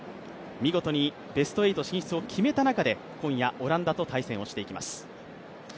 見事にベスト８進出を決めた中で、今夜、オランダと対戦をしていきます。